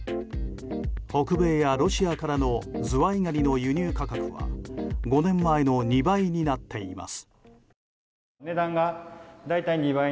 北米やロシアからのズワイガニの輸入価格は５年前の２倍になっています。